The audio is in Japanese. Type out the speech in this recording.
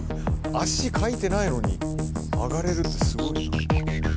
足かいてないのに上がれるってすごいな。